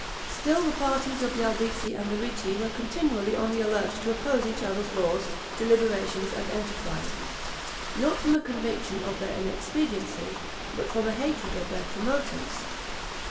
Still the parties of the Albizzi and the Ricci were continually on the alert to oppose each other's laws, deliberations, and enterprises, not from a conviction of their inexpediency, but from a hatred of their promoters.